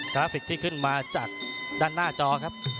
ราฟิกที่ขึ้นมาจากด้านหน้าจอครับ